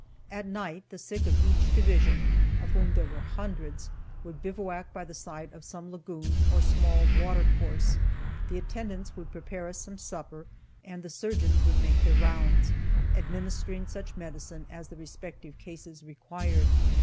At night, the sick of each division (of whom there were hundreds) would bivouac by the side of some lagoon, or small water course, the attendants would prepare us some supper, and the surgeons would make their rounds, administering such medicine as the respective cases required.